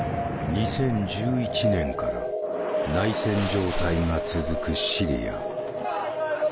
２０１１年から内戦状態が続くシリア。